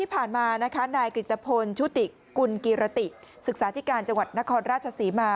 ที่ผ่านมานะคะนายกฤตภพลชุติกุลกิรติศึกษาธิการจังหวัดนครราชศรีมา